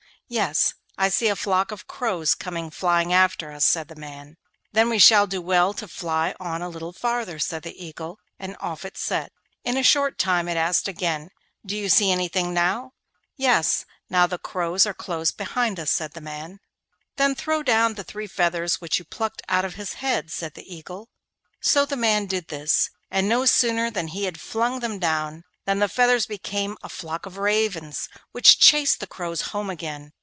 'Yes; I see a flock of crows coming flying after us,' said the man. 'Then we shall do well to fly on a little farther,' said the Eagle, and off it set. In a short time it asked again, 'Do you see anything now?' 'Yes; now the crows are close behind us,' said the man. 'Then throw down the three feathers which you plucked out of his head,' said the Eagle. So the man did this, and no sooner had he flung them down than the feathers became a flock of ravens, which chased the crows home again.